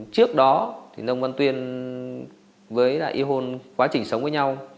trước đó nông văn tuyên với y hôn quá trình sống với nhau